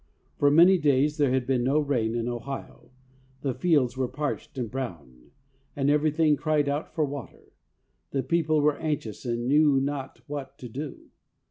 For many days there had been no rain in Ohio, the fields were parched and brown, and everything cried out for water. The people were anxious, and knew not what to do.